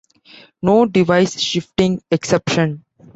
No device shifting exception.